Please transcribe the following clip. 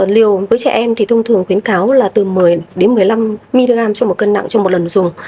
liều với trẻ em thì thông thường khuyến kháo là từ một mươi đến một mươi năm mg cho một cân nặng cho một lần dùng